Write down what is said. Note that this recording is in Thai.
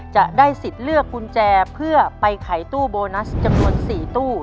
จะได้สิทธิ์เลือกกุญแจเพื่อไปขายตู้โบนัสจำนวน๔ตู้